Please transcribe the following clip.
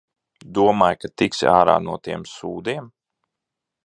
Domāji, ka tiksi ārā no tiem sūdiem?